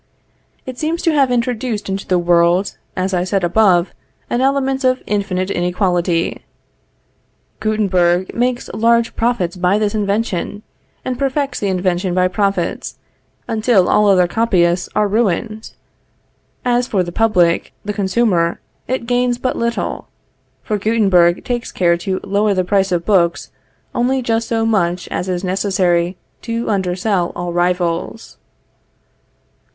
It seems to have introduced into the world, as I said above, an element of infinite inequality. Guttenberg makes large profits by this invention, and perfects the invention by the profits, until all other copyists are ruined. As for the public, the consumer, it gains but little, for Guttenberg takes care to lower the price of books only just so much as is necessary to undersell all rivals.